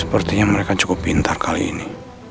sepertinya mereka cukup pintar kali ini